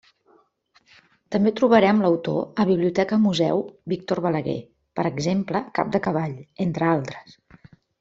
També trobarem l'autor a Biblioteca Museu Víctor Balaguer, per exemple, Cap de cavall, entre altres.